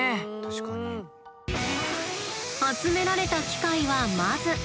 集められた機械はまず。